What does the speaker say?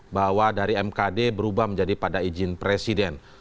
bahwa dari mkd berubah menjadi pada izin presiden